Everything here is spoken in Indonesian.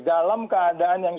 dalam keadaan yang